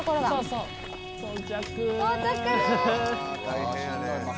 そうそう。